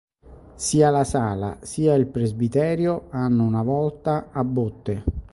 Sia la sala sia il presbiterio hanno una volta a botte.